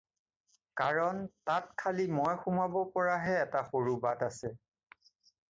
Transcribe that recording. কাৰণ তাত খালি মই সোমাব পৰাহে এটা সৰু বাট আছে